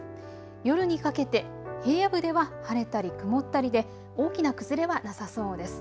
夜にかけて平野部では晴れたり曇ったりで大きな崩れはなさそうです。